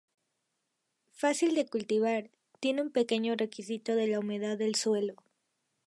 Fácil de cultivar, tiene un pequeño requisito de la humedad del suelo.